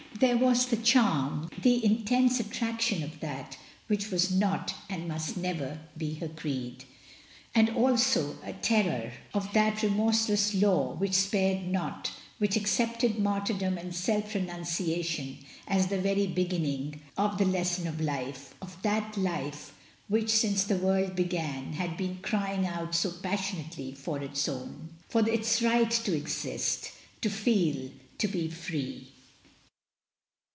There was the charm, the intense attraction of that which was not and must never be her creed; and also a terror of that remorseless law which spared not, which accepted martyrdom and self renunciation as the very be ginning of the lesson of life — of that life which since the world began had been crying out so passionately for its own, for its right to exist, to feel, to be free.